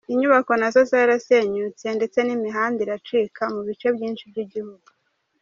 Imyubako nazo zarasenyutse, ndetse n'imihanda iracika mu bice byinshi by'igihugu.